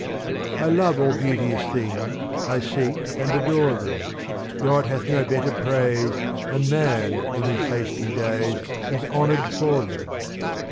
I love all beauteous things, I seek and adore them ; God hath no better praise. And man in his hasty days Is honoured for them.